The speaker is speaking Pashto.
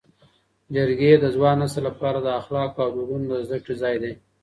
جرګې د ځوان نسل لپاره د اخلاقو او دودونو د زده کړې ځای دی.